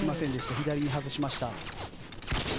左に外しました。